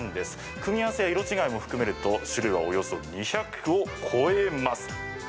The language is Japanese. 組み合わせや色違いも含めると種類は、およそ２００を超えます。